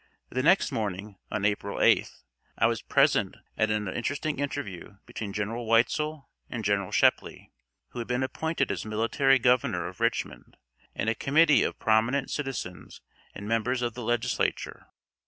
The next morning, on April 8th, I was present at an interesting interview between General Weitzel and General Shepley, who had been appointed as Military Governor of Richmond, and a committee of prominent citizens and members of the Legislature.